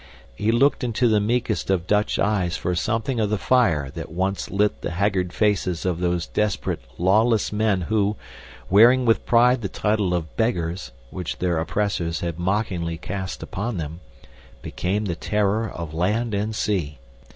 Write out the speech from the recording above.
He looked into the meekest of Dutch eyes for something of the fire that once lit the haggard faces of those desperate, lawless men who, wearing with pride the title of "Beggars," which their oppressors had mockingly cast upon them, became the terror of land and sea.